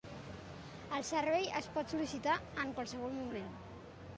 El servei es pot sol·licitar en qualsevol moment.